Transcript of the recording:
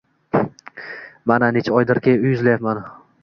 Mana, necha oydirki, uy izlyapti